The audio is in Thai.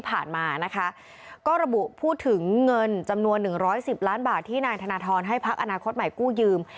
พูดถึงเงินจำนวน๑๑๐ล้านบาทที่นายธนทรให้พักอาณาคตใหม่กู้ยืม